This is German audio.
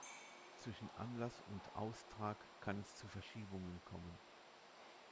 Zwischen Anlass und Austrag kann es zu Verschiebungen kommen.